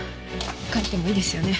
帰ってもいいですよね。